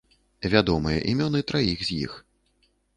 Вядомыя імёны траіх з іх.